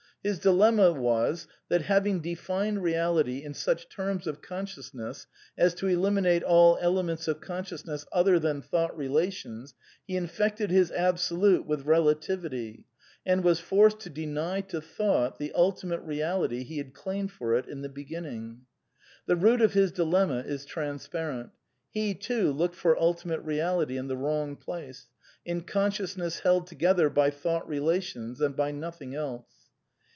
His dilemma was that, having defined reality in such terms of consciousness as to eliminate all elements of consciousness other than V thought relations, he infected his Absolute with relativity^^ \ and was forced to deny to Thought the ultimate reality he had claimed for it in the beginning. The root of his dilemma is transparent. He, too,\ looked for ultimate reality in the wrong place, in conscious 1 ness held together by thought relations and by nothing! else.